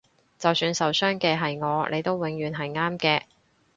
就算受傷嘅係我你都永遠係啱嘅